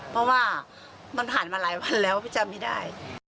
เพราะว่ามันผ่านมาหลายวันแล้วพี่จำไม่ได้